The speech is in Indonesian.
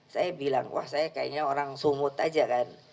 saya bilang wah saya kayaknya orang sumut aja kan